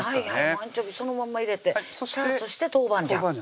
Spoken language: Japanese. アンチョビーそのまんま入れてそして豆板醤です